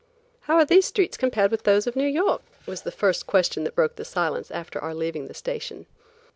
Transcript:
"How are these streets compared with those of New York?" was the first question that broke the silence after our leaving the station.